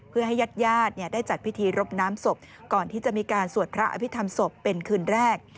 เพื่อให้ญาติญาติได้จัดพิธีรบน้ำศพก่อนที่จะมีการสวดพระอภิษฐรรมศพเป็นคืนแรก